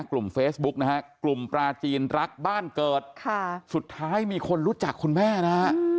กลุ่มเฟซบุ๊กนะฮะกลุ่มปลาจีนรักบ้านเกิดค่ะสุดท้ายมีคนรู้จักคุณแม่นะฮะ